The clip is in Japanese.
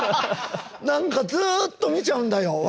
何かずっと見ちゃうんだよ